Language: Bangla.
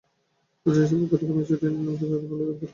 দুটি দেশের পক্ষ থেকেই মেসিডোনিয়া নামটি তাদের বলে দাবি করা হয়।